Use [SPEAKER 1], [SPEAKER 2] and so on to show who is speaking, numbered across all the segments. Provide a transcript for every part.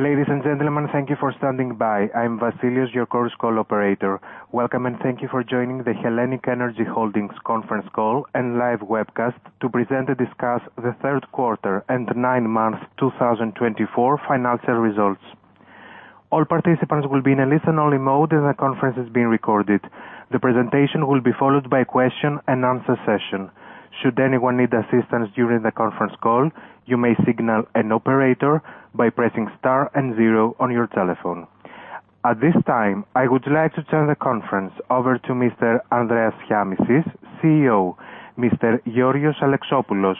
[SPEAKER 1] Ladies and gentlemen, thank you for standing by. I'm Vasilios, your call operator. Welcome, and thank you for joining the HELLENiQ ENERGY Holdings conference call and live webcast to present and discuss the third quarter and nine months 2024 financial results. All participants will be in a listen-only mode, and the conference is being recorded. The presentation will be followed by a Q&A session. Should anyone need assistance during the conference call, you may signal an operator by pressing star and zero on your telephone. At this time, I would like to turn the conference over to Mr. Andreas Shiamishis, CEO. Mr. George Alexopoulos,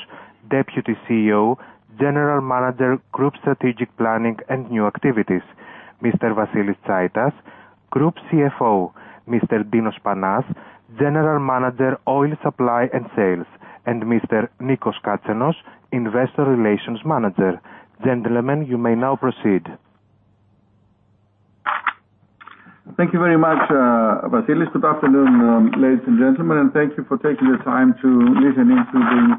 [SPEAKER 1] Deputy CEO and General Manager, Group Strategic Planning and New Activities. Mr. Vasilis Tsaitas, Group CFO. Mr. Dinos Panas, General Manager, Oil Supply and Sales. And Mr. Nikos Katsenos, Investor Relations Manager. Gentlemen, you may now proceed.
[SPEAKER 2] Thank you very much, Vasilios. Good afternoon, ladies and gentlemen, and thank you for taking the time to listen in to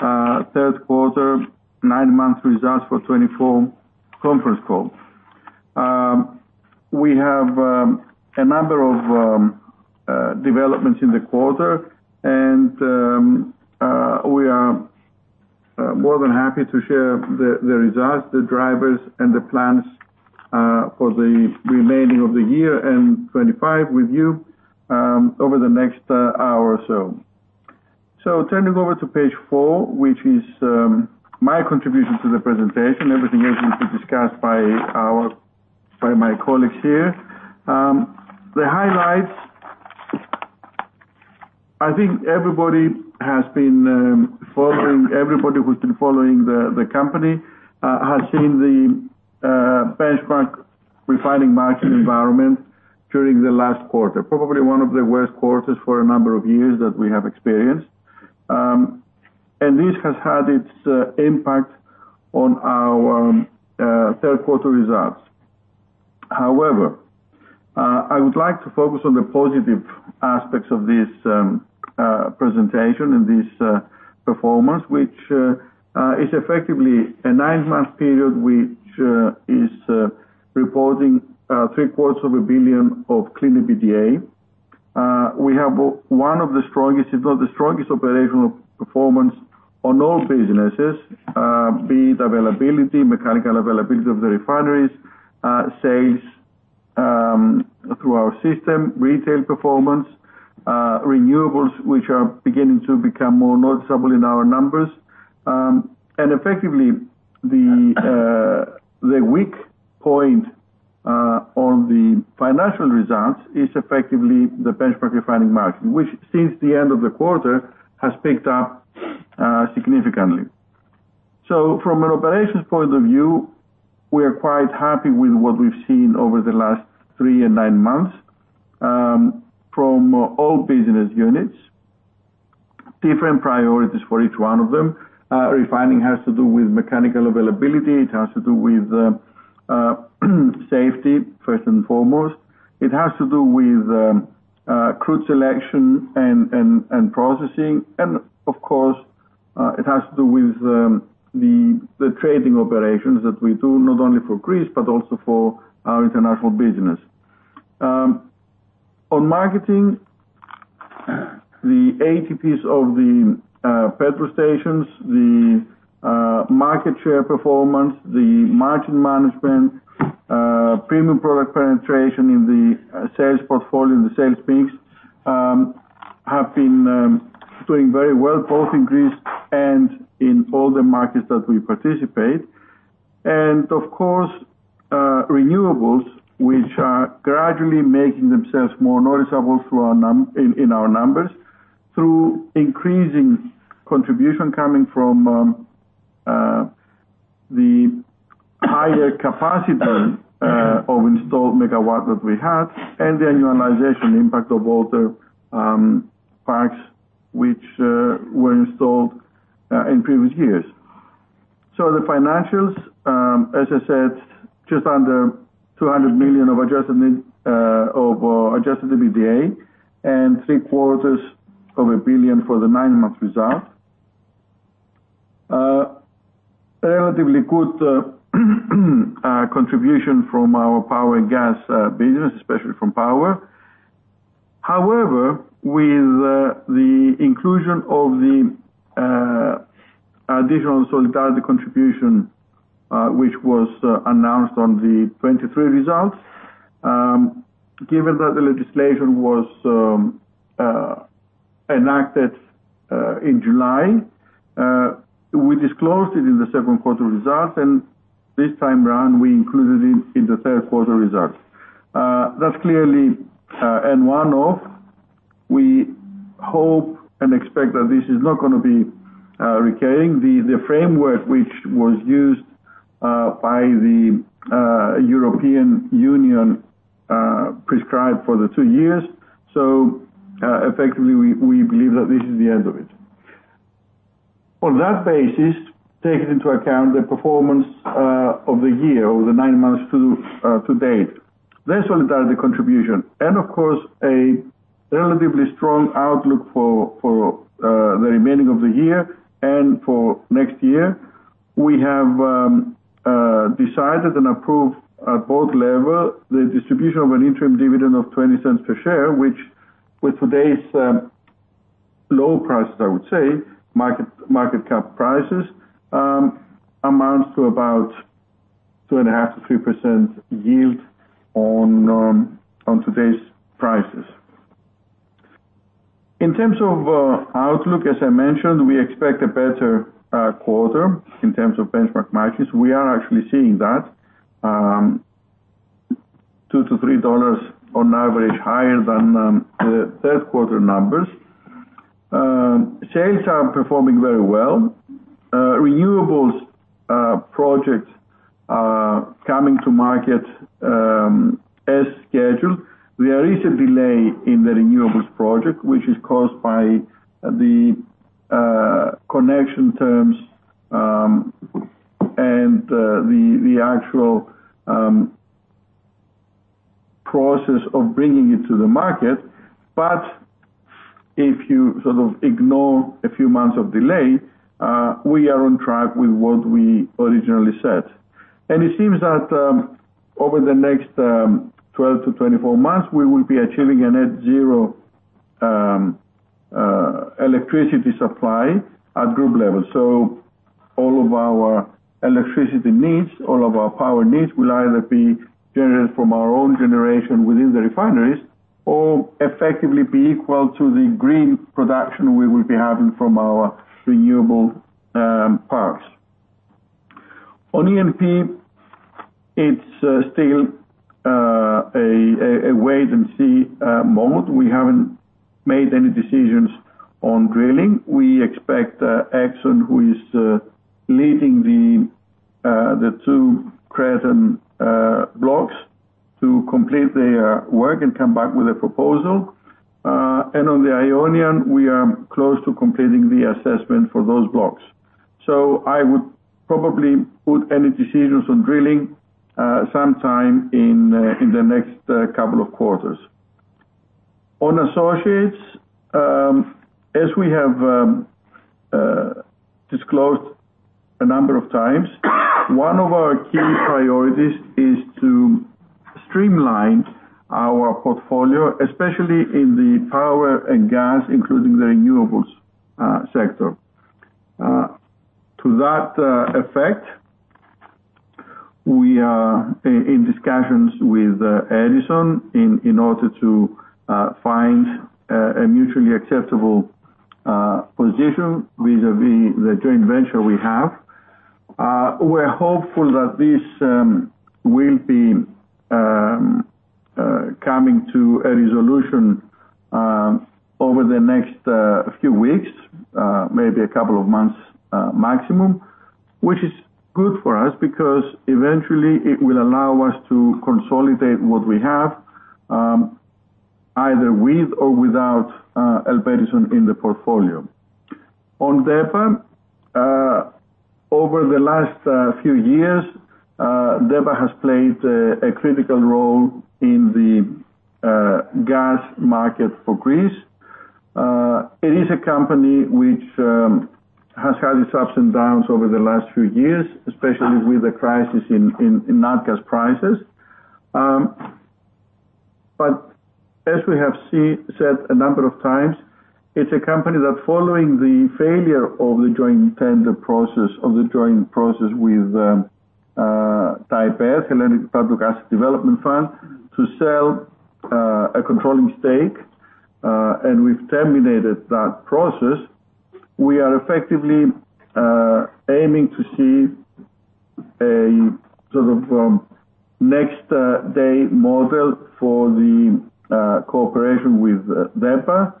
[SPEAKER 2] the third quarter, nine months results for 2024 conference call. We have a number of developments in the quarter, and we are more than happy to share the results, the drivers, and the plans for the remaining of the year and 2025 with you over the next hour or so, so turning over to page four, which is my contribution to the presentation, everything else will be discussed by my colleagues here. The highlights, I think everybody has been following, everybody who's been following the company has seen the benchmark refining market environment during the last quarter, probably one of the worst quarters for a number of years that we have experienced, and this has had its impact on our third quarter results. However, I would like to focus on the positive aspects of this presentation and this performance, which is effectively a nine-month period which is reporting 750 million of clean EBITDA. We have one of the strongest, if not the strongest, operational performance on all businesses, be it availability, mechanical availability of the refineries, sales through our system, retail performance, renewables, which are beginning to become more noticeable in our numbers, and effectively, the weak point on the financial results is effectively the benchmark refining market, which since the end of the quarter has picked up significantly, so from an operations point of view, we are quite happy with what we've seen over the last three and nine months from all business units, different priorities for each one of them. Refining has to do with mechanical availability. It has to do with safety, first and foremost. It has to do with crude selection and processing. And of course, it has to do with the trading operations that we do, not only for Greece, but also for our international business. On marketing, the ATPs of the petrol stations, the market share performance, the margin management, premium product penetration in the sales portfolio, in the sales mix, have been doing very well, both in Greece and in all the markets that we participate. And of course, renewables, which are gradually making themselves more noticeable in our numbers through increasing contribution coming from the higher capacity of installed megawatt that we had and the annualization impact of all the parks which were installed in previous years. So the financials, as I said, just under 200 million of adjusted EBITDA and 750 million for the nine-month result. Relatively good contribution from our power and gas business, especially from power. However, with the inclusion of the additional Solidarity Contribution, which was announced on the 2023 results, given that the legislation was enacted in July, we disclosed it in the second quarter results, and this time around, we included it in the third quarter results. That's clearly a one-off, we hope and expect that this is not going to be recurring. The framework, which was used by the European Union prescribed for the two years. So effectively, we believe that this is the end of it. On that basis, taking into account the performance of the year over the nine months to date, there's Solidarity Contribution, and of course, a relatively strong outlook for the remaining of the year and for next year. We have decided and approved at both levels the distribution of an interim dividend of 0.20 per share, which with today's low prices, I would say, market cap prices, amounts to about 2.5%-3% yield on today's prices. In terms of outlook, as I mentioned, we expect a better quarter in terms of benchmark markets. We are actually seeing that, $2-$3 on average higher than the third quarter numbers. Sales are performing very well. Renewables project coming to market as scheduled. There is a delay in the renewables project, which is caused by the connection terms and the actual process of bringing it to the market. But if you sort of ignore a few months of delay, we are on track with what we originally said. And it seems that over the next 12-24 months, we will be achieving a net zero electricity supply at group level. So all of our electricity needs, all of our power needs will either be generated from our own generation within the refineries or effectively be equal to the green production we will be having from our renewable parks. On E&P, it's still a wait-and-see mode. We haven't made any decisions on drilling. We expect Exxon, who is leading the two Crete blocks, to complete their work and come back with a proposal. And on the Ionian, we are close to completing the assessment for those blocks. So I would probably put any decisions on drilling sometime in the next couple of quarters. On associates, as we have disclosed a number of times, one of our key priorities is to streamline our portfolio, especially in the power and gas, including the renewables sector. To that effect, we are in discussions with Edison in order to find a mutually acceptable position vis-à-vis the joint venture we have. We're hopeful that this will be coming to a resolution over the next few weeks, maybe a couple of months maximum, which is good for us because eventually it will allow us to consolidate what we have, either with or without Elpedison in the portfolio. On DEPA, over the last few years, DEPA has played a critical role in the gas market for Greece. It is a company which has had its ups and downs over the last few years, especially with the crisis in natural gas prices. As we have said a number of times, it's a company that, following the failure of the joint tender process, of the joint process with TAIPED, Hellenic Republic Asset Development Fund, to sell a controlling stake, and we've terminated that process, we are effectively aiming to see a sort of next-day model for the cooperation with DEPA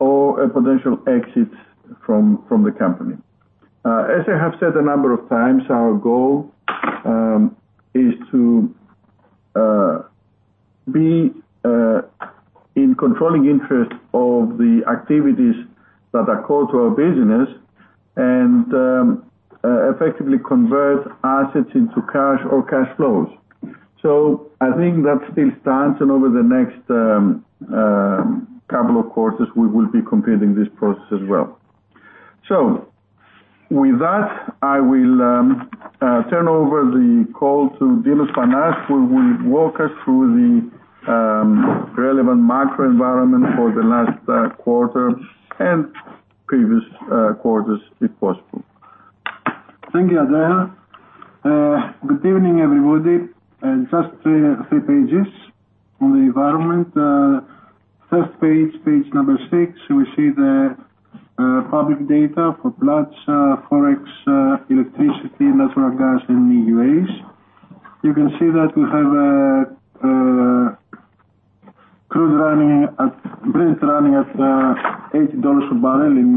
[SPEAKER 2] or a potential exit from the company. As I have said a number of times, our goal is to be in controlling interest of the activities that are core to our business and effectively convert assets into cash or cash flows. I think that still stands, and over the next couple of quarters, we will be completing this process as well. So with that, I will turn over the call to Dinos Panas, who will walk us through the relevant macro environment for the last quarter and previous quarters, if possible.
[SPEAKER 3] Thank you, Andreas. Good evening, everybody. Just three pages on the environment. First page, page number six, we see the public data for Platts, forex, electricity, natural gas, and EUAs. You can see that we have crude running at $80 a barrel in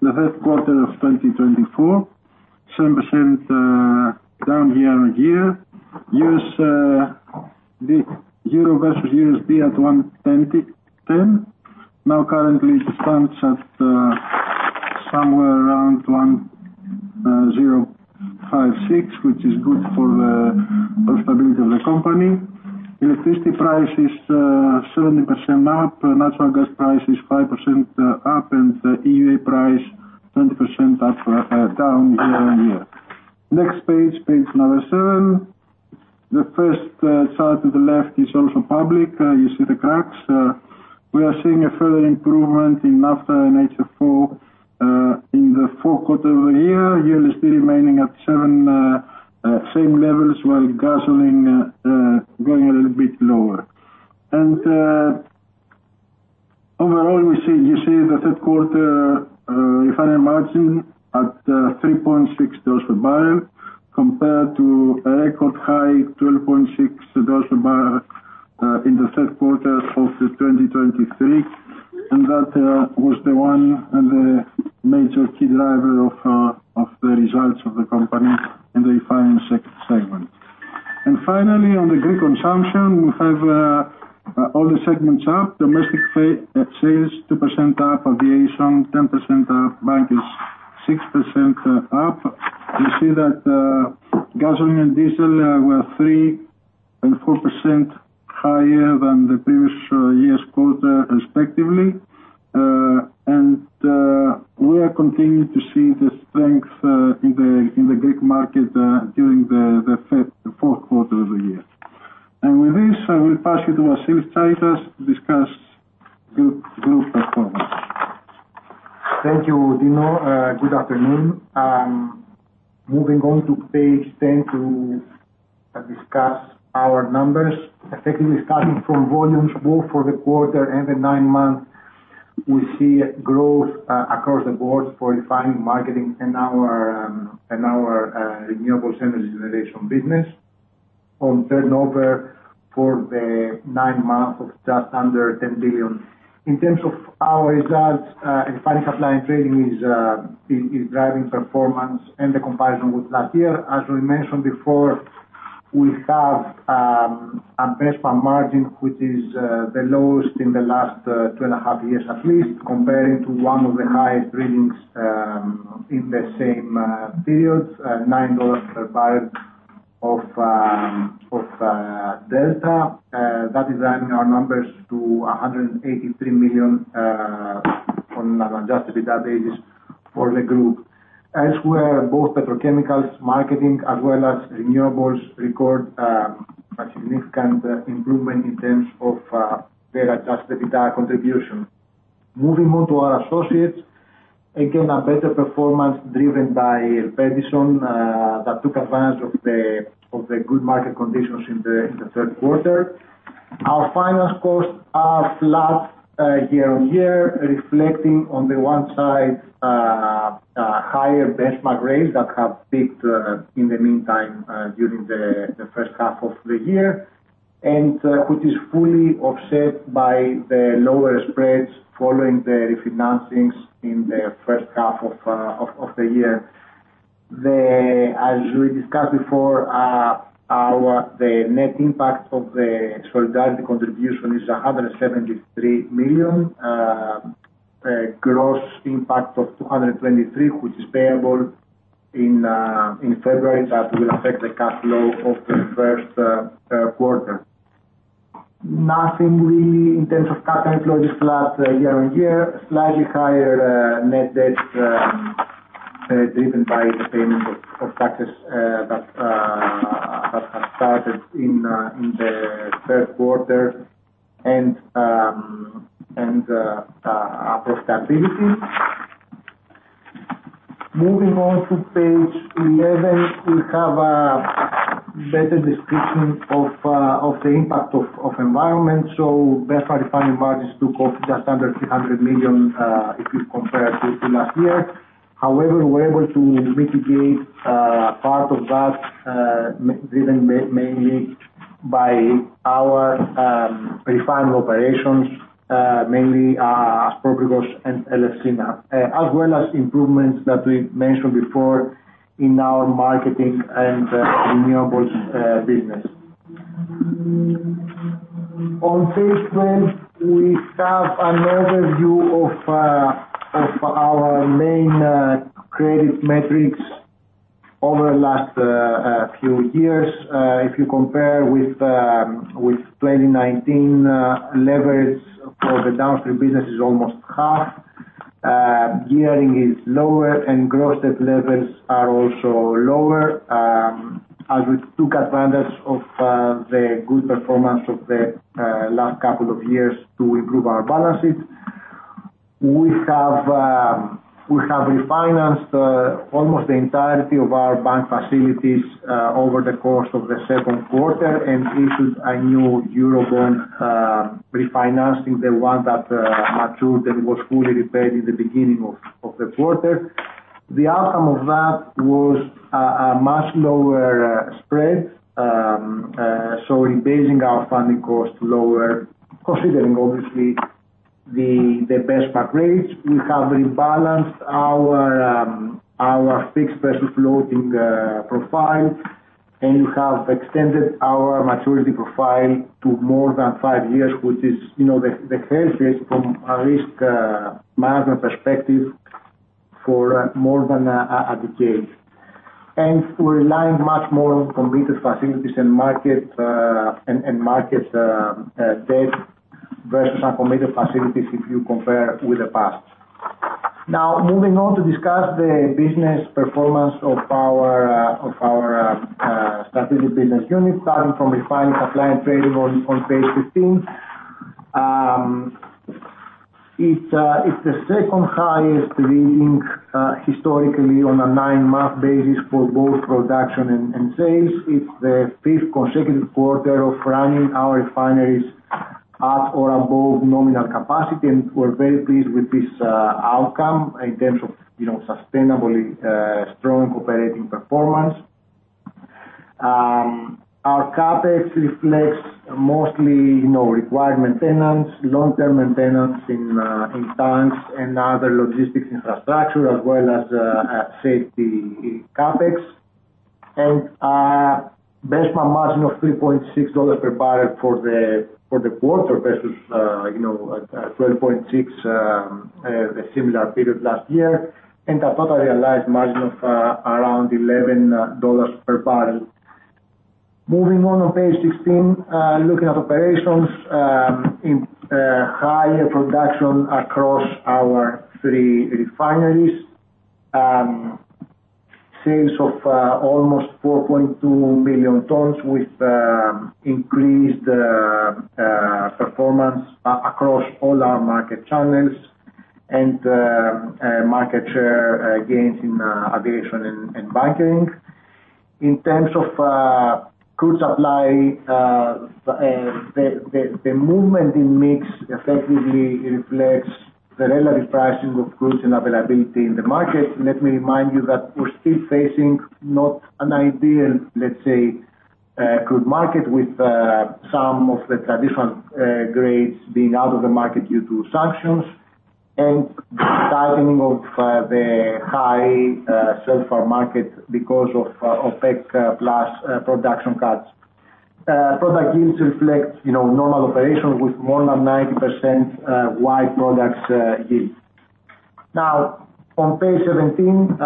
[SPEAKER 3] the third quarter of 2024, 7% down year-on-year, $ versus EUR at 1.2010. Now, currently, it stands at somewhere around 1.056, which is good for the stability of the company. Electricity price is 70% up, natural gas price is 5% up, and EUA price 20% down year-on-year. Next page, page number seven. The first chart to the left is also public. You see the cracks. We are seeing a further improvement in naphtha and HFO in the fourth quarter of the year. $ remaining at same levels, while gasoline going a little bit lower. Overall, you see the third quarter refining margin at $3.6 per barrel compared to a record high, $12.6 per barrel in the third quarter of 2023. That was the one and the major key driver of the results of the company in the refining segment. Finally, on the fuel consumption, we have all the segments up. Domestic sales, 2% up, aviation, 10% up, bunkers, 6% up. You see that gasoline and diesel were 3% and 4% higher than the previous year's quarter, respectively. We are continuing to see the strength in the Greek market during the fourth quarter of the year. With this, I will pass you to Vasilis Tsaitas to discuss group performance.
[SPEAKER 4] Thank you, Dino. Good afternoon. Moving on to page 10 to discuss our numbers. Effectively, starting from volumes, both for the quarter and the nine months, we see growth across the board for refining, marketing, and our renewables energy generation business. On turnover, for the nine months, of just under 10 billion. In terms of our results, refining supply and trading is driving performance and the comparison with last year. As we mentioned before, we have a benchmark margin, which is the lowest in the last two and a half years, at least, comparing to one of the highest readings in the same period, $9 per barrel delta. That is driving our numbers to 183 million on an Adjusted EBITDA basis for the group. Elsewhere, both petrochemicals, marketing, as well as renewables, record a significant improvement in terms of their Adjusted EBITDA contribution. Moving on to our assets, again, a better performance driven by Aspropyrgos that took advantage of the good market conditions in the third quarter. Our finance costs are flat year-on-year, reflecting on the one side higher benchmark rates that have peaked in the meantime during the first half of the year, and which is fully offset by the lower spreads following the refinancings in the first half of the year. As we discussed before, the net impact of the solidarity contribution is 173 million, gross impact of 223 million, which is payable in February that will affect the cash flow of the first quarter. Nothing really in terms of CapEx, employees flat year-on-year, slightly higher net debt driven by the payment of taxes that have started in the third quarter and profitability. Moving on to page 11, we have a better description of the environmental impact. Benchmark refining margins took off just under 300 million if you compare to last year. However, we're able to mitigate part of that driven mainly by our refining operations, mainly Aspropyrgos and Elefsina, as well as improvements that we mentioned before in our marketing and renewables business. On page 12, we have an overview of our main credit metrics over the last few years. If you compare with 2019, leverage for the downstream business is almost half, gearing is lower, and gross debt levels are also lower. As we took advantage of the good performance of the last couple of years to improve our balance sheet, we have refinanced almost the entirety of our bank facilities over the course of the second quarter and issued a new Eurobond refinancing the one that matured and was fully repaid in the beginning of the quarter. The outcome of that was a much lower spread, so rebasing our funding cost lower, considering obviously the benchmark rates. We have rebalanced our fixed versus floating profile, and we have extended our maturity profile to more than five years, which is the healthiest from a risk management perspective for more than a decade, and we're relying much more on committed facilities and market debt versus uncommitted facilities if you compare with the past. Now, moving on to discuss the business performance of our strategic business unit, starting from refining supply and trading on page 15. It's the second highest reading historically on a nine-month basis for both production and sales. It's the fifth consecutive quarter of running our refineries at or above nominal capacity, and we're very pleased with this outcome in terms of sustainably strong operating performance. Our CapEx reflects mostly required maintenance, long-term maintenance in tanks and other logistics infrastructure, as well as safety CapEx, and benchmark margin of $3.6 per barrel for the quarter versus $12.6 the similar period last year, and a total realized margin of around $11 per barrel. Moving on to page 16, looking at operations, higher production across our three refineries, sales of almost 4.2 million tons with increased performance across all our market channels and market share gains in aviation and bunkering. In terms of crude supply, the movement in mix effectively reflects the relative pricing of crude and availability in the market. Let me remind you that we're still facing not an ideal, let's say, crude market with some of the traditional grades being out of the market due to sanctions and the tightening of the high-sulfur market because of OPEC+ production cuts. Product yields reflect normal operations with more than 90% white products yield. Now, on page 17,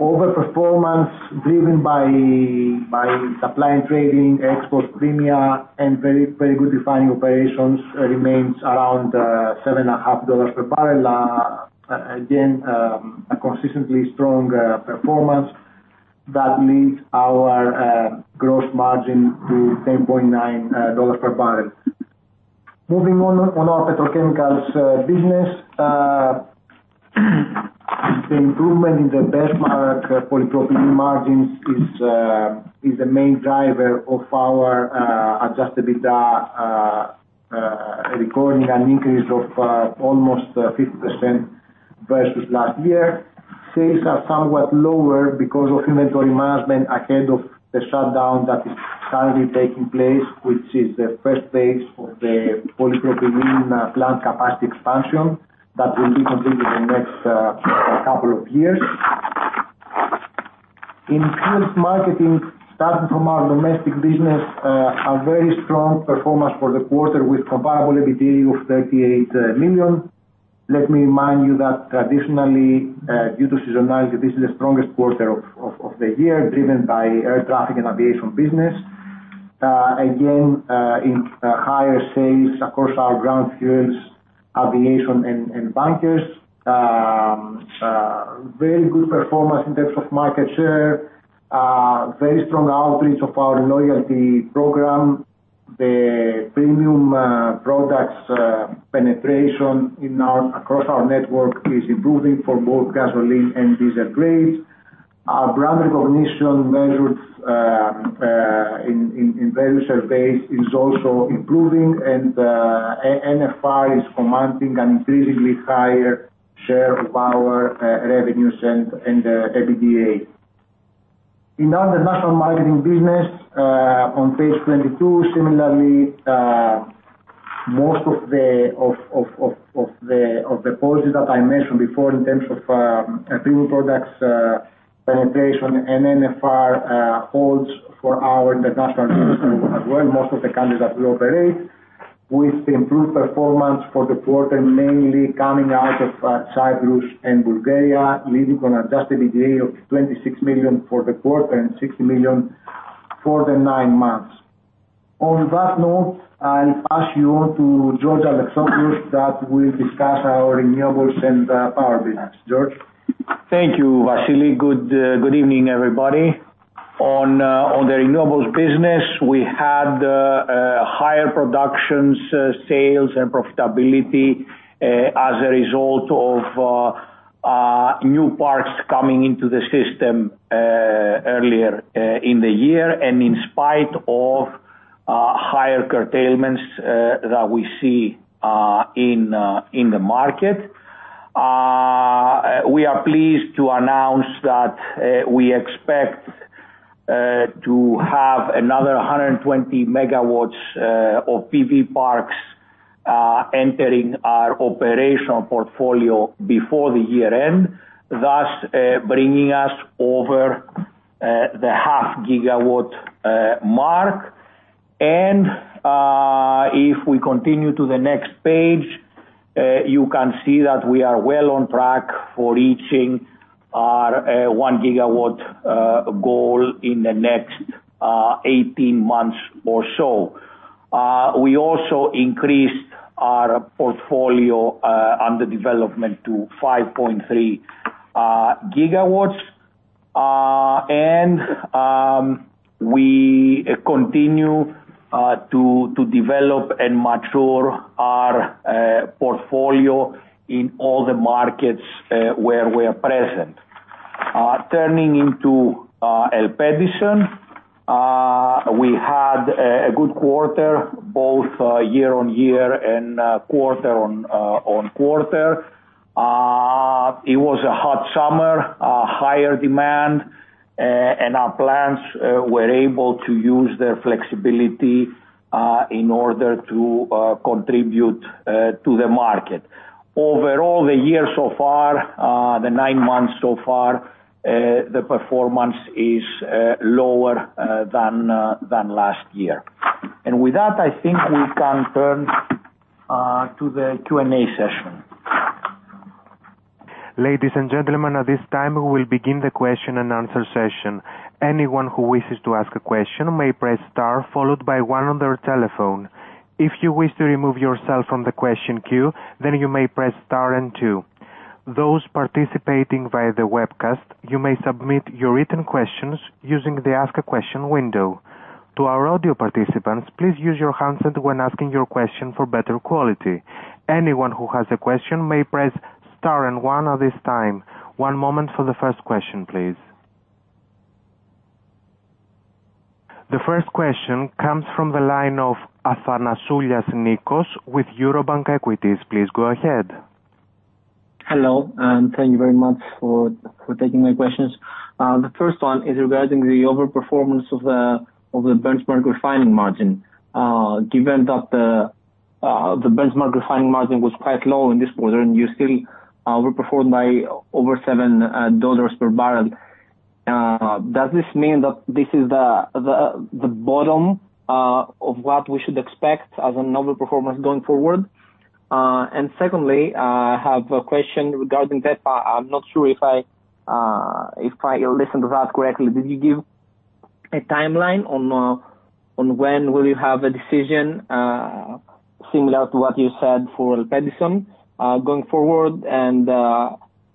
[SPEAKER 4] overperformance driven by supply and trading, exports premium, and very good refining operations remains around $7.5 per barrel. Again, a consistently strong performance that leads our gross margin to $10.9 per barrel. Moving on to our petrochemicals business, the improvement in the benchmark polypropylene margins is the main driver of our Adjusted EBITDA recording an increase of almost 50% versus last year. Sales are somewhat lower because of inventory management ahead of the shutdown that is currently taking place, which is the first phase of the polypropylene plant capacity expansion that will be completed in the next couple of years. In fuels marketing, starting from our domestic business, a very strong performance for the quarter with comparable EBITDA of 38 million. Let me remind you that traditionally, due to seasonality, this is the strongest quarter of the year driven by air traffic and aviation business. Again, higher sales across our ground fuels, aviation, and bunkers. Very good performance in terms of market share, very strong outreach of our loyalty program. The premium products penetration across our network is improving for both gasoline and diesel grades. Our brand recognition measured in various surveys is also improving, and NFR is commanding an increasingly higher share of our revenues and EBITDA.In our international marketing business, on page 22, similarly, most of the policies that I mentioned before in terms of premium products penetration and NFR holds for our international business as well, most of the countries that we operate with improved performance for the quarter, mainly coming out of Cyprus and Bulgaria, leading to an Adjusted EBITDA of 26 million for the quarter and 60 million for the nine months. On that note, I'll pass you on to George Alexopoulos that will discuss our renewables and power business. George?
[SPEAKER 5] Thank you, Vasilios. Good evening, everybody. On the renewables business, we had higher productions, sales, and profitability as a result of new parts coming into the system earlier in the year, and in spite of higher curtailments that we see in the market, we are pleased to announce that we expect to have another 120 MW of PV parks entering our operational portfolio before the year-end, thus bringing us over the 0.5 GW mark. And if we continue to the next page, you can see that we are well on track for reaching our 1 GW goal in the next 18 months or so. We also increased our portfolio under development to 5.3 GW, and we continue to develop and mature our portfolio in all the markets where we are present. Turning to Elpedison, we had a good quarter, both year-on-year and quarter-on-quarter. It was a hot summer, higher demand, and our plants were able to use their flexibility in order to contribute to the market. Overall, the year so far, the nine months so far, the performance is lower than last year, and with that, I think we can turn to the Q&A session.
[SPEAKER 1] Ladies and gentlemen, at this time, we will begin the Q&A session. Anyone who wishes to ask a question may press star followed by one on their telephone. If you wish to remove yourself from the question queue, then you may press star and two. Those participating via the webcast, you may submit your written questions using the ask a question window. To our audio participants, please use your handset when asking your question for better quality. Anyone who has a question may press star and one at this time. One moment for the first question, please. The first question comes from the line of Nikos Athanasoulias with Eurobank Equities. Please go ahead.
[SPEAKER 6] Hello, and thank you very much for taking my questions. The first one is regarding the overperformance of the benchmark refining margin. Given that the benchmark refining margin was quite low in this quarter and you still outperformed by over $7 per barrel, does this mean that this is the bottom of what we should expect as an overperformance going forward? And secondly, I have a question regarding that. I'm not sure if I listened to that correctly. Did you give a timeline on when will you have a decision similar to what you said for Elpedison going forward? And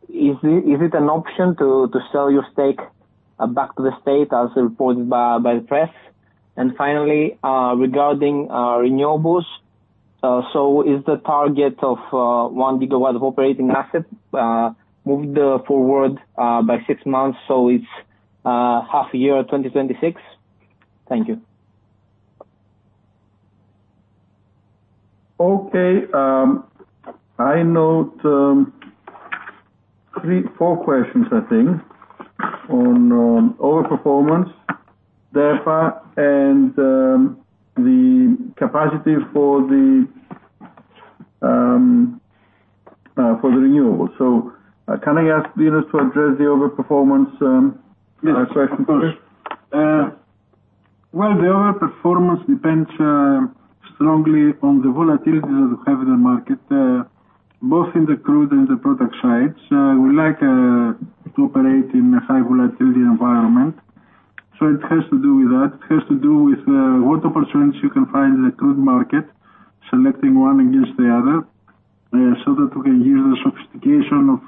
[SPEAKER 6] is it an option to sell your stake back to the state as reported by the press? And finally, regarding renewables, so is the target of 1 GW of operating asset moved forward by six months, so it's half a year 2026? Thank you.
[SPEAKER 2] Okay. I note four questions, I think, on overperformance, DEPA, and the capacity for the renewables, so can I ask Dinos to address the overperformance question first?
[SPEAKER 3] Yes. Well, the overperformance depends strongly on the volatility that we have in the market, both in the crude and the product sides. We like to operate in a high-volatility environment, so it has to do with that. It has to do with what opportunities you can find in the crude market, selecting one against the other so that we can use the sophistication of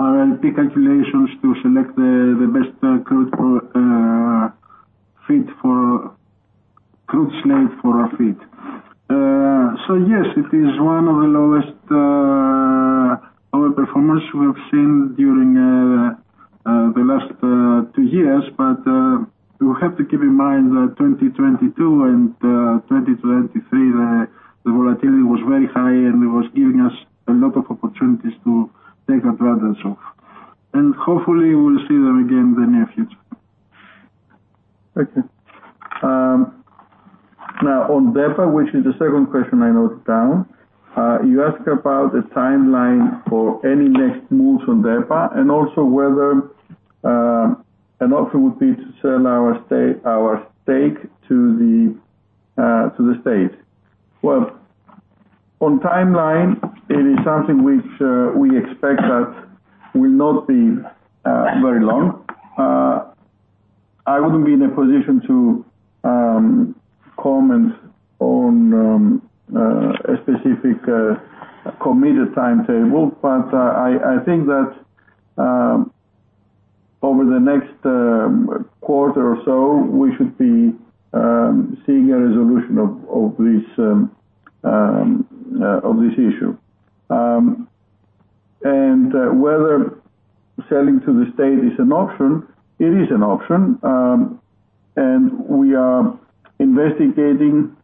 [SPEAKER 3] our LP calculations to select the best crude slate for our feed. So yes, it is one of the lowest overperformance we've seen during the last two years, but we have to keep in mind that 2022 and 2023, the volatility was very high, and it was giving us a lot of opportunities to take advantage of. And hopefully, we'll see them again in the near future.
[SPEAKER 2] Okay. Now, on DEPA, which is the second question I noted down, you asked about the timeline for any next moves on DEPA and also whether an option would be to sell our stake to the state. Well, on timeline, it is something which we expect that will not be very long. I wouldn't be in a position to comment on a specific committed timetable, but I think that over the next quarter or so, we should be seeing a resolution of this issue. And whether selling to the state is an option, it is an option, and we are investigating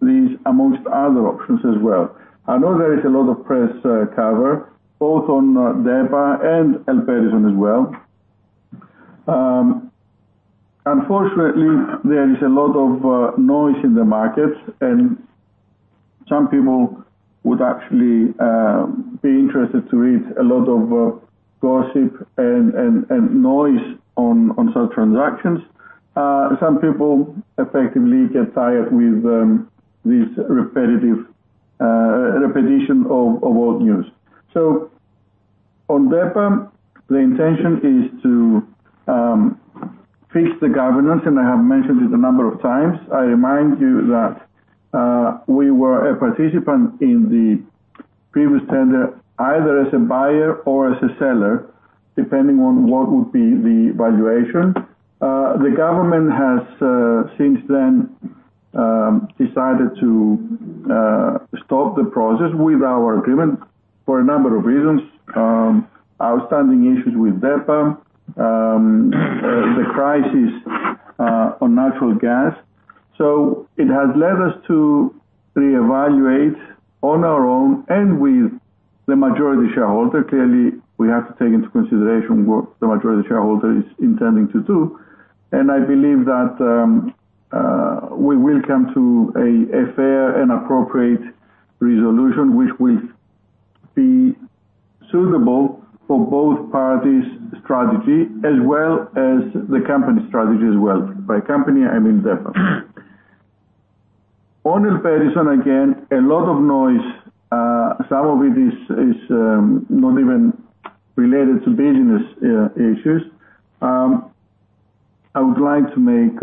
[SPEAKER 2] this among other options as well. I know there is a lot of press coverage, both on DEPA and Elpedison as well. Unfortunately, there is a lot of noise in the markets, and some people would actually be interested to read a lot of gossip and noise on such transactions. Some people effectively get tired with this repetition of old news. So on DEPA, the intention is to fix the governance, and I have mentioned it a number of times. I remind you that we were a participant in the previous tender either as a buyer or as a seller, depending on what would be the valuation. The government has since then decided to stop the process with our agreement for a number of reasons: outstanding issues with DEPA, the crisis on natural gas. So it has led us to reevaluate on our own and with the majority shareholder. Clearly, we have to take into consideration what the majority shareholder is intending to do. And I believe that we will come to a fair and appropriate resolution, which will be suitable for both parties' strategy as well as the company's strategy as well. By company, I mean DEPA. On Elpedison, again, a lot of noise. Some of it is not even related to business issues. I would like to make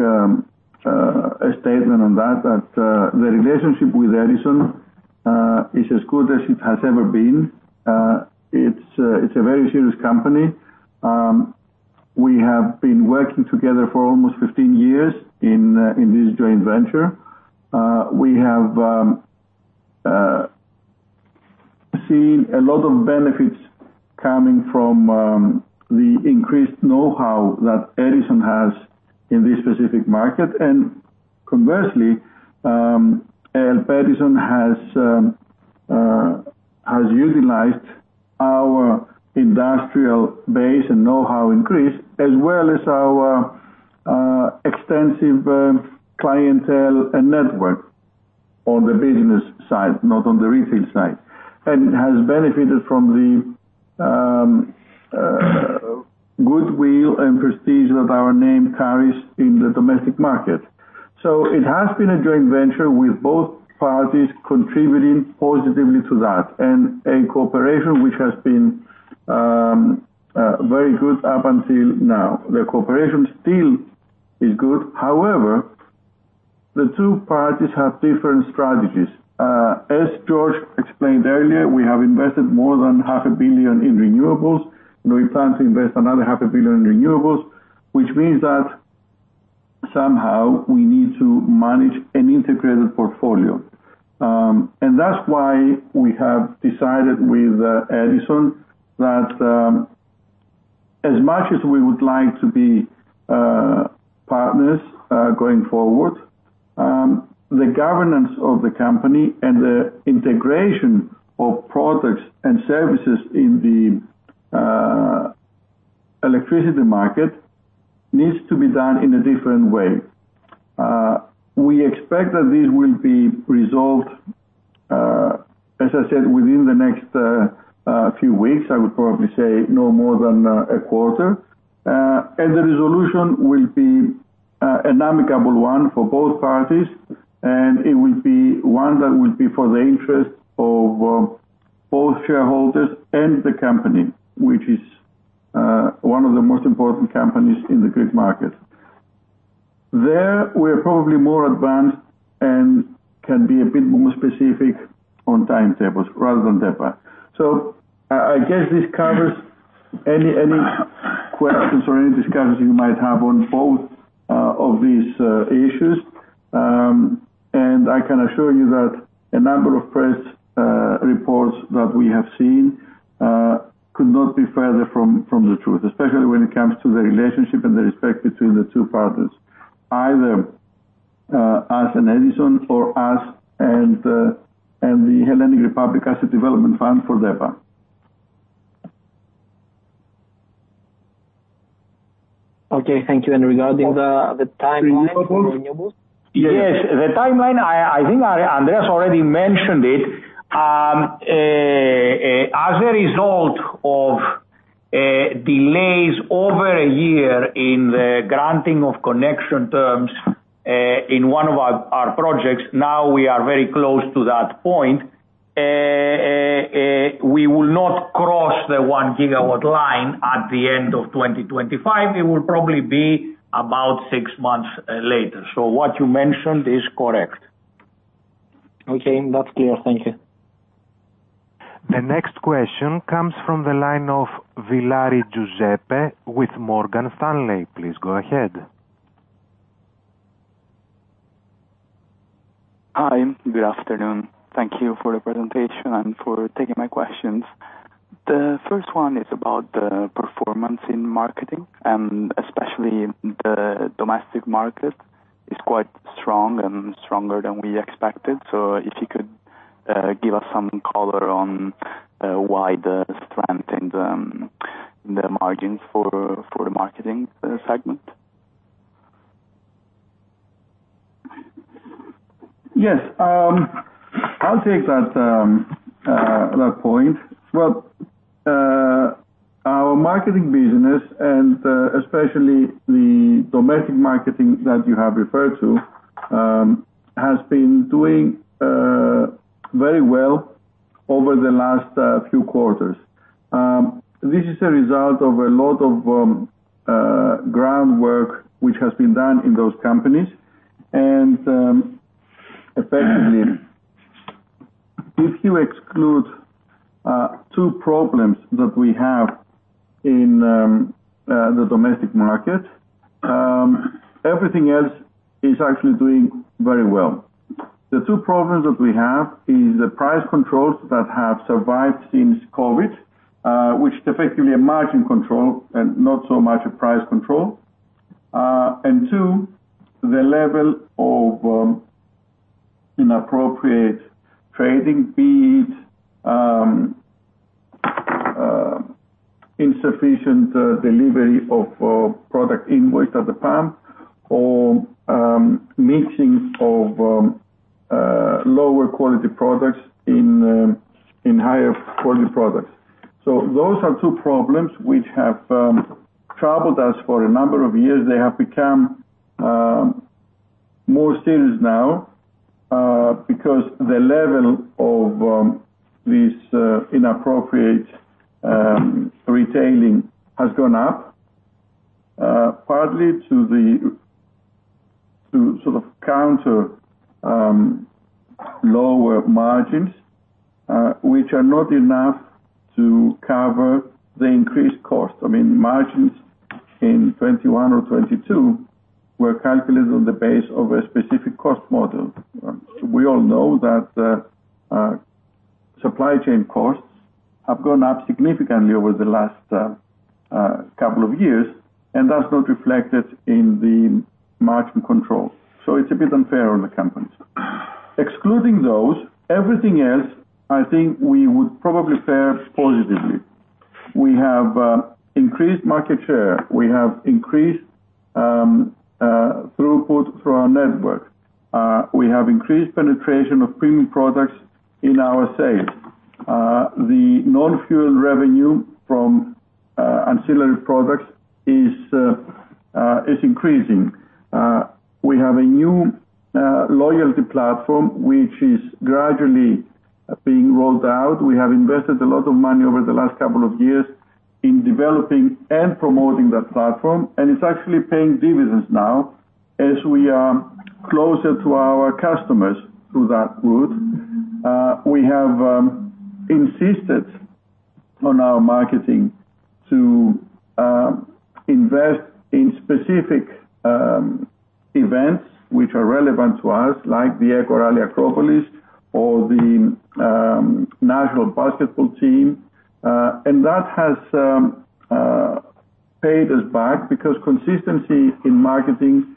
[SPEAKER 2] a statement on that, that the relationship with Edison is as good as it has ever been. It's a very serious company. We have been working together for almost 15 years in this joint venture. We have seen a lot of benefits coming from the increased know-how that Edison has in this specific market. And conversely, Elpedison has utilized our industrial base and know-how in Greece, as well as our extensive clientele and network on the business side, not on the retail side. It has benefited from the goodwill and prestige that our name carries in the domestic market. It has been a joint venture with both parties contributing positively to that and a cooperation which has been very good up until now. The cooperation still is good. However, the two parties have different strategies. As George explained earlier, we have invested more than 500 million in renewables, and we plan to invest another 500 million in renewables, which means that somehow we need to manage an integrated portfolio. That's why we have decided with Edison that as much as we would like to be partners going forward, the governance of the company and the integration of products and services in the electricity market needs to be done in a different way. We expect that this will be resolved, as I said, within the next few weeks. I would probably say no more than a quarter, and the resolution will be an amicable one for both parties, and it will be one that will be for the interest of both shareholders and the company, which is one of the most important companies in the Greek market. There, we are probably more advanced and can be a bit more specific on timetables rather than DEPA, so I guess this covers any questions or any discussions you might have on both of these issues, and I can assure you that a number of press reports that we have seen could not be further from the truth, especially when it comes to the relationship and the respect between the two partners, either us and Edison or us and the Hellenic Republic Asset Development Fund for DEPA.
[SPEAKER 6] Okay. Thank you. And regarding the timeline for renewables?
[SPEAKER 5] Yes. The timeline, I think Andreas already mentioned it. As a result of delays over a year in the granting of connection terms in one of our projects, now we are very close to that point. We will not cross the 1 GW line at the end of 2025. It will probably be about six months later. So what you mentioned is correct.
[SPEAKER 6] Okay. That's clear. Thank you.
[SPEAKER 1] The next question comes from the line of Giuseppe Villari with Morgan Stanley. Please go ahead.
[SPEAKER 7] Hi. Good afternoon. Thank you for the presentation and for taking my questions. The first one is about the performance in marketing, and especially the domestic market is quite strong and stronger than we expected. So if you could give us some color on why the strength in the margins for the marketing segment?
[SPEAKER 2] Yes. I'll take that point. Well, our marketing business, and especially the domestic marketing that you have referred to, has been doing very well over the last few quarters. This is a result of a lot of groundwork which has been done in those companies. And effectively, if you exclude two problems that we have in the domestic market, everything else is actually doing very well. The two problems that we have are the price controls that have survived since COVID, which is effectively a margin control and not so much a price control. And two, the level of inappropriate trading, be it insufficient delivery of product invoice at the pump or mixing of lower quality products in higher quality products. So those are two problems which have troubled us for a number of years. They have become more serious now because the level of this inappropriate retailing has gone up, partly to sort of counter lower margins, which are not enough to cover the increased cost. I mean, margins in 2021 or 2022 were calculated on the base of a specific cost model. We all know that supply chain costs have gone up significantly over the last couple of years, and that's not reflected in the margin control. So it's a bit unfair on the companies. Excluding those, everything else, I think we would probably fare positively. We have increased market share. We have increased throughput through our network. We have increased penetration of premium products in our sales. The non-fuel revenue from ancillary products is increasing. We have a new loyalty platform which is gradually being rolled out. We have invested a lot of money over the last couple of years in developing and promoting that platform, and it's actually paying dividends now as we are closer to our customers through that route. We have insisted on our marketing to invest in specific events which are relevant to us, like the EKO Rally Acropolis or the National Basketball Team. And that has paid us back because consistency in marketing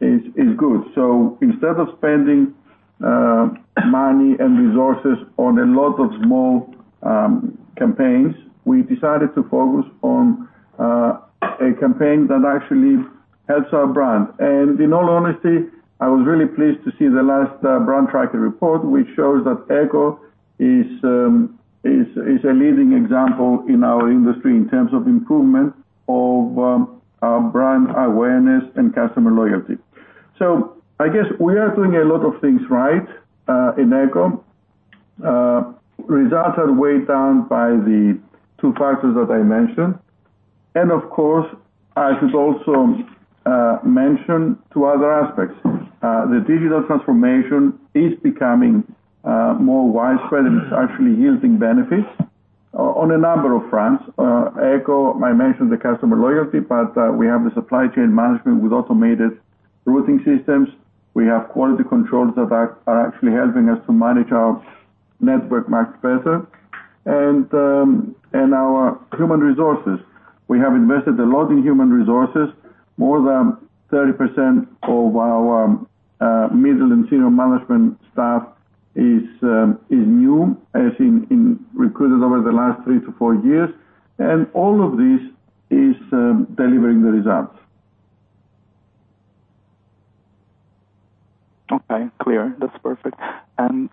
[SPEAKER 2] is good. So instead of spending money and resources on a lot of small campaigns, we decided to focus on a campaign that actually helps our brand. And in all honesty, I was really pleased to see the last Brand Tracker report, which shows that EKO is a leading example in our industry in terms of improvement of our brand awareness and customer loyalty. So I guess we are doing a lot of things right in EKO. Results are weighed down by the two factors that I mentioned. And of course, I should also mention two other aspects. The digital transformation is becoming more widespread and is actually yielding benefits on a number of fronts. EKO, I mentioned the customer loyalty, but we have the supply chain management with automated routing systems. We have quality controls that are actually helping us to manage our network much better. And our human resources, we have invested a lot in human resources. More than 30% of our middle and senior management staff is new, as in recruited over the last three to four years. And all of this is delivering the results.
[SPEAKER 7] Okay. Clear. That's perfect. And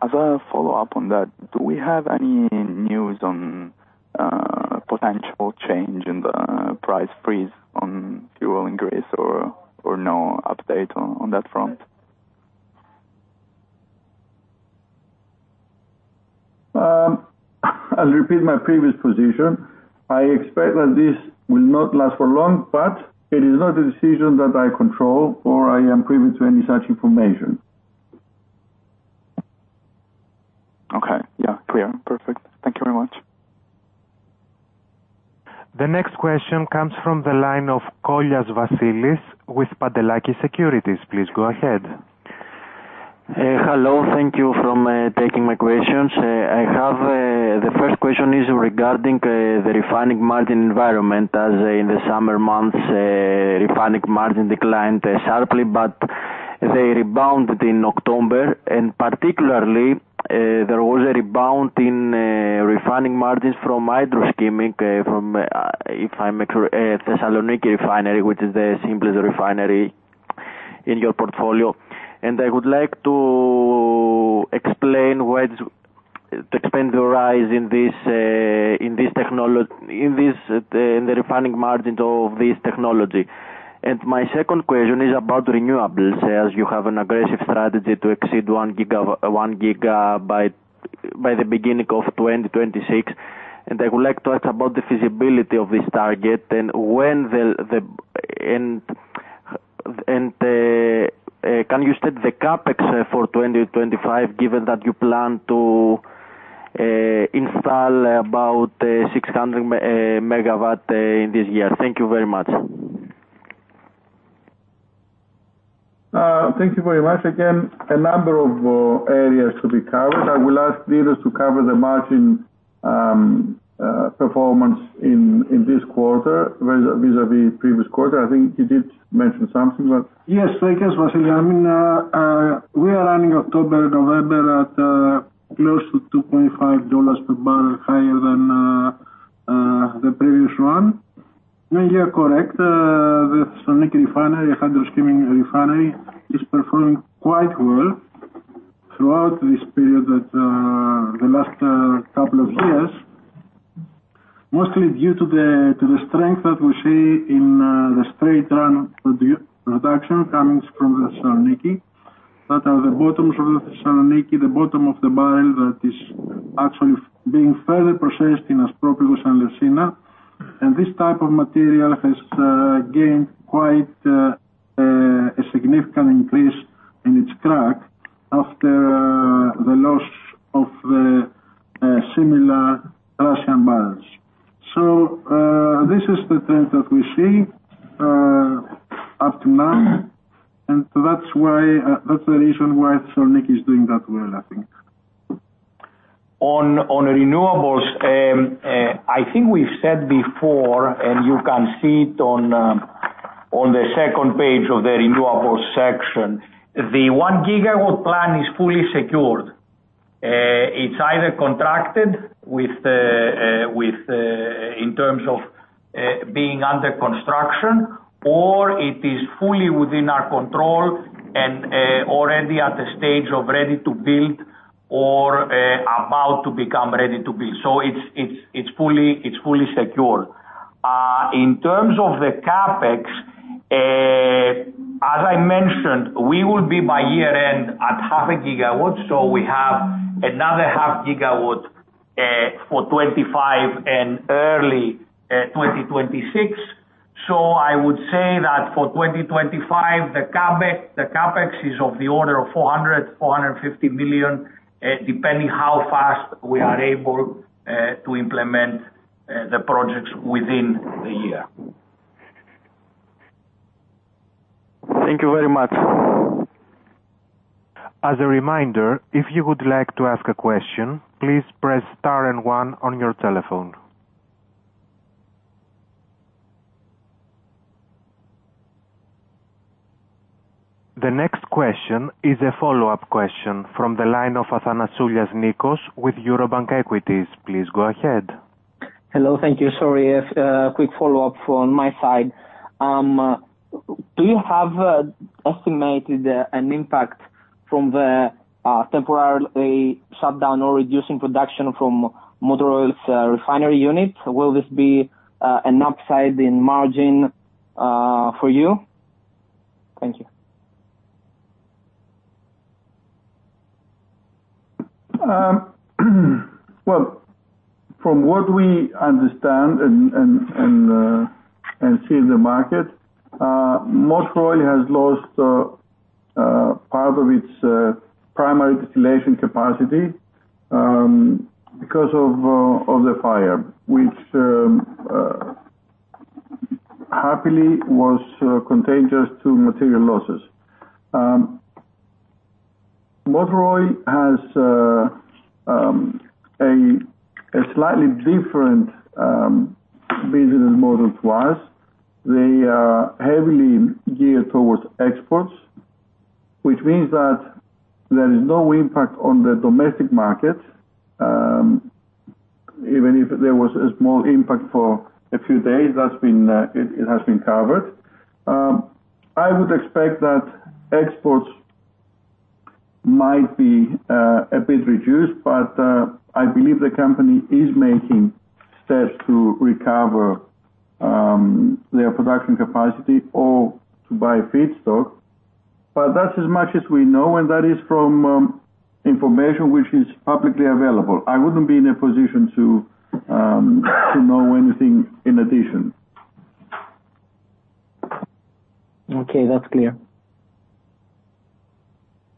[SPEAKER 7] as a follow-up on that, do we have any news on potential change in the price freeze on fuel and gas or no update on that front?
[SPEAKER 2] I'll repeat my previous position. I expect that this will not last for long, but it is not a decision that I control or I am privy to any such information.
[SPEAKER 7] Okay. Yeah. Clear. Perfect. Thank you very much.
[SPEAKER 1] The next question comes from the line of Vasilis Kollias with Pantelakis Securities. Please go ahead.
[SPEAKER 8] Hello. Thank you for taking my questions. The first question is regarding the refining margin environment. As in the summer months, refining margin declined sharply, but they rebounded in October, and particularly, there was a rebound in refining margins from hydro-skimming, if I'm not sure, Thessaloniki Refinery, which is the simplest refinery in your portfolio, and I would like to explain what to expand the rise in this technology, in the refining margins of this technology. And my second question is about renewables, as you have an aggressive strategy to exceed 1 GB by the beginning of 2026, and I would like to ask about the feasibility of this target, and can you state the CapEx for 2025, given that you plan to install about 600 MW this year? Thank you very much.
[SPEAKER 2] Thank you very much. Again, a number of areas to be covered. I will ask Dinos to cover the margin performance in this quarter vis-à-vis previous quarter. I think you did mention something, but.
[SPEAKER 3] Yes. Thank you, Vasilis. I mean, we are running October and November at close to $2.5 per barrel, higher than the previous one. Mainly correct. The Thessaloniki Refinery, hydro-skimming refinery, is performing quite well throughout this period, the last couple of years, mostly due to the strength that we see in the straight run production coming from Thessaloniki. That are the bottoms of the Thessaloniki, the bottom of the barrel that is actually being further processed in Aspropyrgos and Elefsina. And this type of material has gained quite a significant increase in its crack after the loss of the similar Thracian barrels. So this is the trend that we see up to now. And that's the reason why Thessaloniki is doing that well, I think.
[SPEAKER 5] On renewables, I think we've said before, and you can see it on the second page of the renewables section, the 1 GW plan is fully secured. It's either contracted in terms of being under construction, or it is fully within our control and already at the stage of ready to build or about to become ready to build. So it's fully secured. In terms of the CapEx, as I mentioned, we will be by year-end at 0.5 GW. So we have another 0.5 GW for 2025 and early 2026. So I would say that for 2025, the CapEx is of the order of 400 million-450 million, depending how fast we are able to implement the projects within the year.
[SPEAKER 8] Thank you very much.
[SPEAKER 1] As a reminder, if you would like to ask a question, please press star and one on your telephone. The next question is a follow-up question from the line of Athanasoulias Nikos with Eurobank Equities. Please go ahead.
[SPEAKER 6] Hello. Thank you. Sorry, a quick follow-up on my side. Do you have estimated an impact from the temporary shutdown or reducing production from Motor Oil's refinery unit? Will this be an upside in margin for you? Thank you.
[SPEAKER 2] From what we understand and see in the market, Motor Oil has lost part of its primary distillation capacity because of the fire, which happily was confined to material losses. Motor Oil has a slightly different business model to us. They are heavily geared towards exports, which means that there is no impact on the domestic market. Even if there was a small impact for a few days, it has been covered. I would expect that exports might be a bit reduced, but I believe the company is making steps to recover their production capacity or to buy feedstock. But that's as much as we know, and that is from information which is publicly available. I wouldn't be in a position to know anything in addition.
[SPEAKER 6] Okay. That's clear.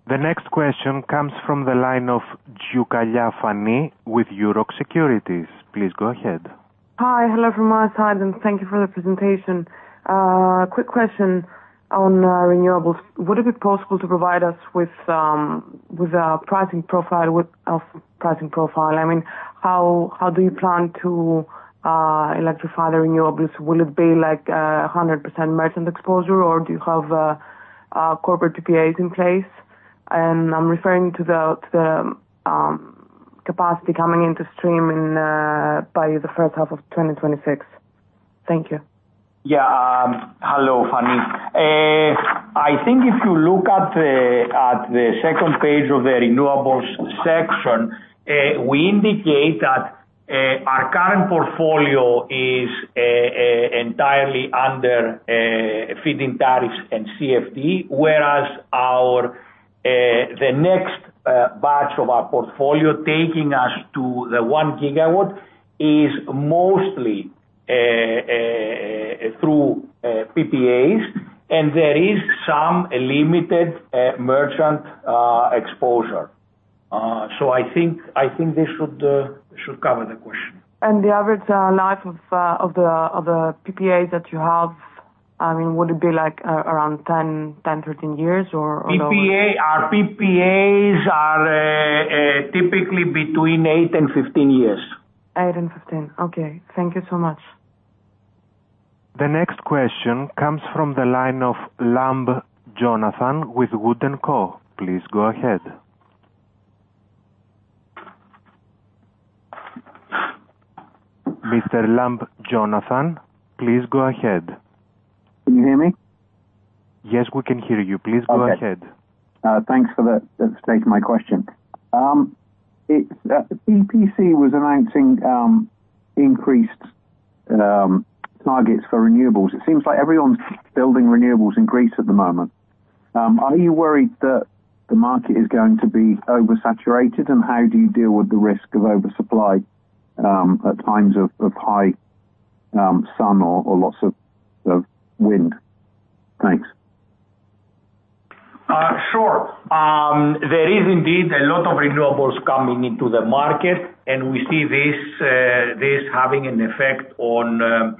[SPEAKER 1] The next question comes from the line of Fani Tzioukalia with Euroxx Securities. Please go ahead.
[SPEAKER 9] Hi. Hello from my side, and thank you for the presentation. Quick question on renewables. Would it be possible to provide us with a pricing profile? I mean, how do you plan to electrify the renewables? Will it be like 100% merchant exposure, or do you have corporate PPAs in place? And I'm referring to the capacity coming into stream by the first half of 2026. Thank you.
[SPEAKER 5] Yeah. Hello, Fani. I think if you look at the second page of the renewables section, we indicate that our current portfolio is entirely under feed-in tariffs and CFD, whereas the next batch of our portfolio taking us to the 1 GW is mostly through PPAs, and there is some limited merchant exposure. So I think this should cover the question.
[SPEAKER 9] The average life of the PPAs that you have, I mean, would it be like around 10, 13 years, or longer?
[SPEAKER 5] PPAs are typically between eight and 15 years.
[SPEAKER 9] Eight and 15. Okay. Thank you so much.
[SPEAKER 1] The next question comes from the line of Jonathan Lamb with Wood & Co. Please go ahead. Mr. Jonathan Lamb, please go ahead.
[SPEAKER 10] Can you hear me?
[SPEAKER 1] Yes, we can hear you. Please go ahead.
[SPEAKER 10] Okay. Thanks for that. That's taking my question. PPC was announcing increased targets for renewables. It seems like everyone's building renewables in Greece at the moment. Are you worried that the market is going to be oversaturated, and how do you deal with the risk of oversupply at times of high sun or lots of wind? Thanks.
[SPEAKER 5] Sure. There is indeed a lot of renewables coming into the market, and we see this having an effect on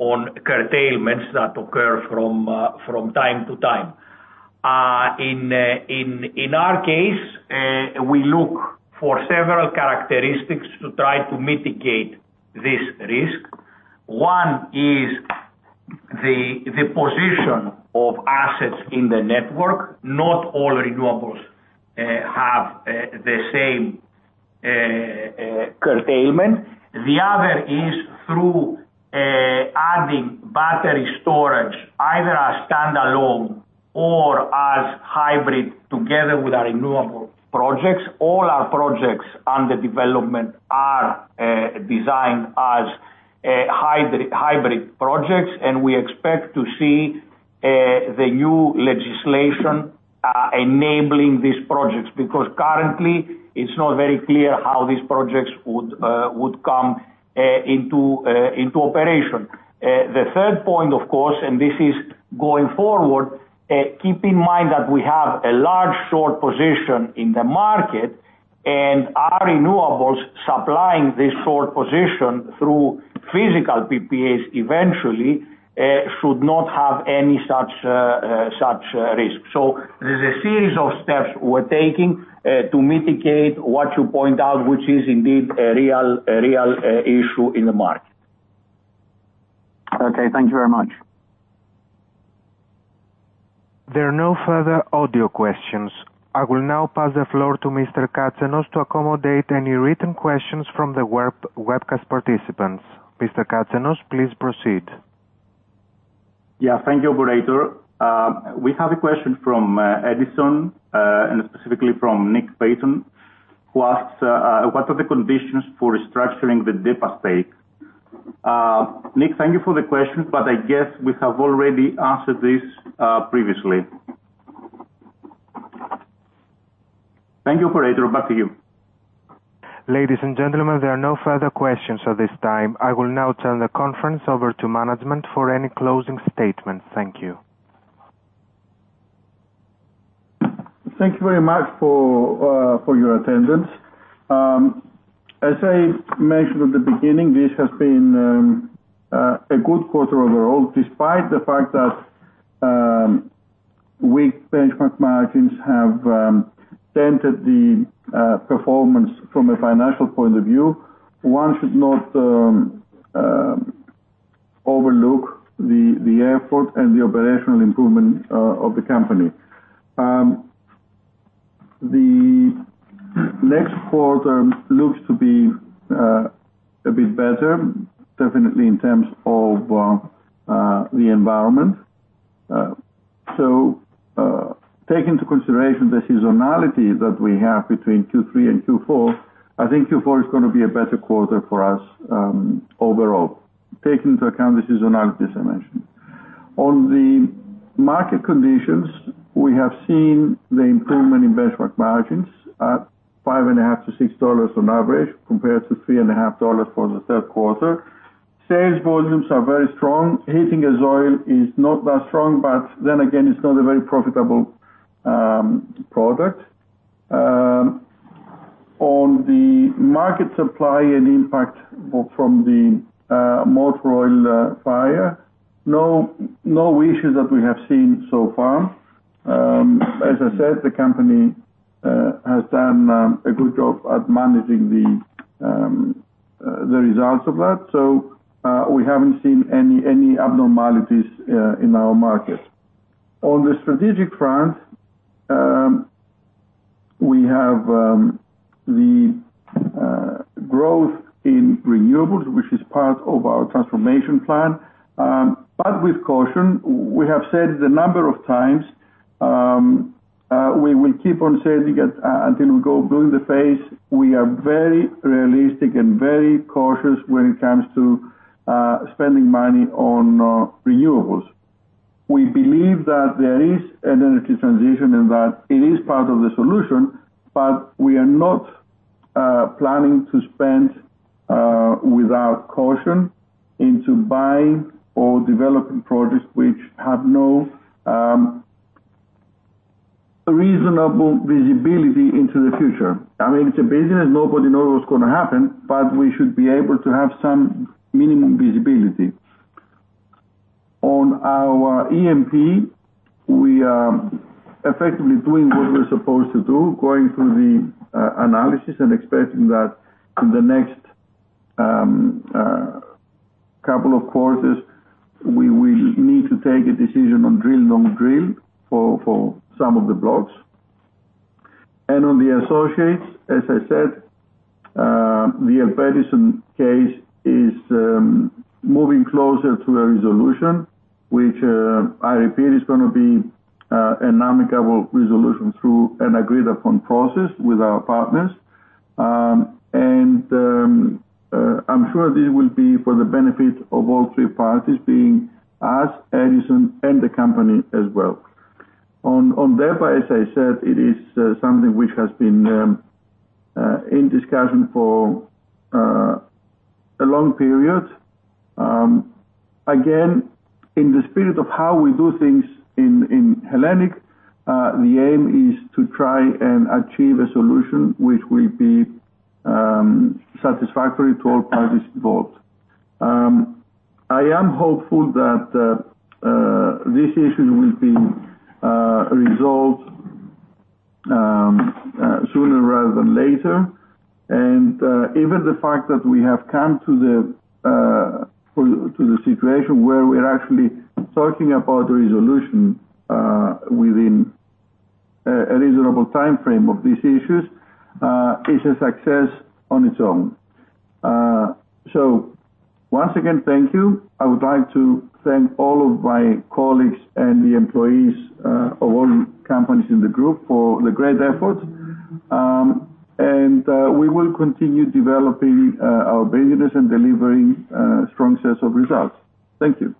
[SPEAKER 5] curtailments that occur from time to time. In our case, we look for several characteristics to try to mitigate this risk. One is the position of assets in the network. Not all renewables have the same curtailment. The other is through adding battery storage, either as standalone or as hybrid together with our renewable projects. All our projects under development are designed as hybrid projects, and we expect to see the new legislation enabling these projects because currently, it's not very clear how these projects would come into operation. The third point, of course, and this is going forward, keep in mind that we have a large short position in the market, and our renewables supplying this short position through physical PPAs eventually should not have any such risk. So there's a series of steps we're taking to mitigate what you point out, which is indeed a real issue in the market.
[SPEAKER 10] Okay. Thank you very much.
[SPEAKER 1] There are no further audio questions. I will now pass the floor to Mr. Katsenos to accommodate any written questions from the webcast participants. Mr. Katsenos, please proceed.
[SPEAKER 11] Yeah. Thank you, Operator. We have a question from Edison and specifically from Nick Payton, who asks, "What are the conditions for restructuring the DEPA stake?" Nick, thank you for the question, but I guess we have already answered this previously. Thank you, Operator. Back to you.
[SPEAKER 1] Ladies and gentlemen, there are no further questions at this time. I will now turn the conference over to management for any closing statements. Thank you.
[SPEAKER 2] Thank you very much for your attendance. As I mentioned at the beginning, this has been a good quarter overall. Despite the fact that weak benchmark margins have dented the performance from a financial point of view, one should not overlook the effort and the operational improvement of the company. The next quarter looks to be a bit better, definitely in terms of the environment. So taking into consideration the seasonality that we have between Q3 and Q4, I think Q4 is going to be a better quarter for us overall, taking into account the seasonalities I mentioned. On the market conditions, we have seen the improvement in benchmark margins at $5.5-$6 on average compared to $3.5 for the third quarter. Sales volumes are very strong. Heating oil is not that strong, but then again, it's not a very profitable product. On the market supply and impact from the Motor Oil fire, no issues that we have seen so far. As I said, the company has done a good job at managing the results of that. So we haven't seen any abnormalities in our market. On the strategic front, we have the growth in renewables, which is part of our transformation plan, but with caution. We have said the number of times we will keep on saying until we go blue in the face. We are very realistic and very cautious when it comes to spending money on renewables. We believe that there is an energy transition and that it is part of the solution, but we are not planning to spend without caution into buying or developing projects which have no reasonable visibility into the future. I mean, it's a business. Nobody knows what's going to happen, but we should be able to have some minimum visibility. On our E&P, we are effectively doing what we're supposed to do, going through the analysis and expecting that in the next couple of quarters, we will need to take a decision on drill, long drill for some of the blocks. On the associates, as I said, the Elpedison case is moving closer to a resolution, which I repeat, is going to be an amicable resolution through an agreed-upon process with our partners. I'm sure this will be for the benefit of all three parties, being us, Edison, and the company as well. On DEPA, as I said, it is something which has been in discussion for a long period. Again, in the spirit of how we do things in Hellenic, the aim is to try and achieve a solution which will be satisfactory to all parties involved. I am hopeful that these issues will be resolved sooner rather than later. Even the fact that we have come to the situation where we're actually talking about a resolution within a reasonable timeframe of these issues is a success on its own. Once again, thank you. I would like to thank all of my colleagues and the employees of all companies in the group for the great efforts. We will continue developing our business and delivering strong sets of results. Thank you.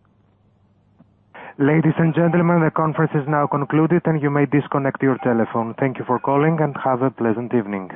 [SPEAKER 1] Ladies and gentlemen, the conference is now concluded, and you may disconnect your telephone. Thank you for calling, and have a pleasant evening.